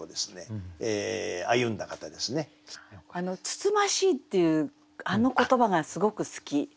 「つつましい」っていうあの言葉がすごく好き。